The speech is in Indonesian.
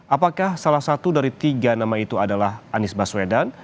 apakah salah satu dari tiga nama itu adalah anies baswedan